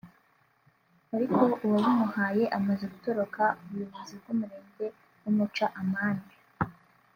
ariko uwabumuhaye amaze gutoroka ubuyobozi bw’umurenge bumuca amande